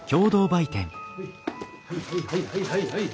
はいはいはいはい。